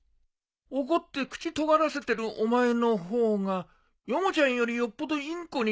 怒って口とがらせてるお前の方がヨモちゃんよりよっぽどインコに似てるな。